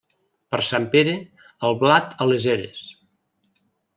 Per Sant Pere, el blat a les eres.